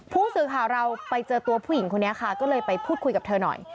ผู้สื่อข่าวเราไปเจอตัวผู้หญิงคนนี้ค่ะก็เลยไปพูดคุยกับเธอหน่อย